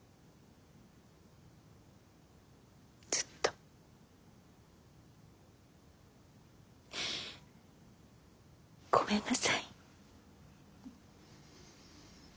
ずっとごめんなさい。